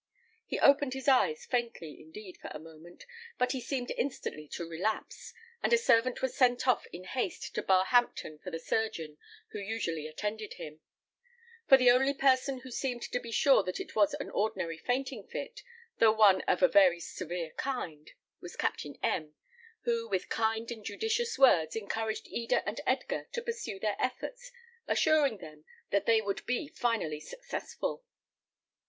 He opened his eyes faintly, indeed, for a moment, but he seemed instantly to relapse, and a servant was sent off in haste to Barhampton for the surgeon who usually attended him; for the only person who seemed to be sure that it was an ordinary fainting fit, though one of a very severe kind, was Captain M , who, with kind and judicious words, encouraged Eda and Edgar to pursue their efforts, assuring them that they would be finally successful.